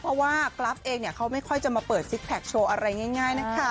เพราะว่ากราฟเองเขาไม่ค่อยจะมาเปิดซิกแพคโชว์อะไรง่ายนะคะ